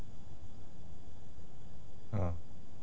うん。